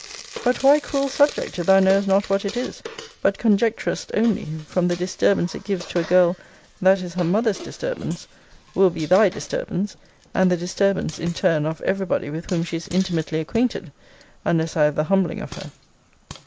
But why cruel subject, if thou knowest not what it is, but conjecturest only from the disturbance it gives to a girl, that is her mother's disturbance, will be thy disturbance, and the disturbance, in turn, of every body with whom she is intimately acquainted, unless I have the humbling of her?